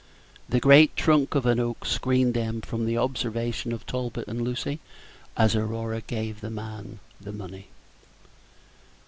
The great trunk of an oak screened them from the observation of Talbot and Lucy as Aurora gave the man the money.